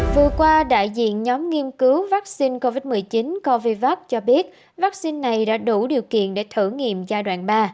vừa qua đại diện nhóm nghiên cứu vaccine covid một mươi chín covac cho biết vaccine này đã đủ điều kiện để thử nghiệm giai đoạn ba